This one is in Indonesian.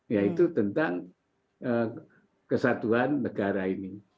yaitu tentang kesatuan negara ini